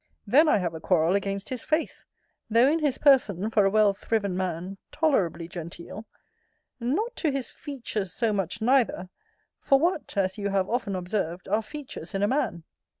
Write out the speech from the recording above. Then I have a quarrel against his face, though in his person, for a well thriven man, tolerably genteel Not to his features so much neither; for what, as you have often observed, are features in a man?